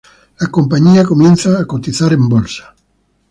La compañía comienza a cotizar en bolsa.